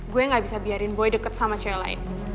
gue gak bisa biarin boy deket sama cewek lain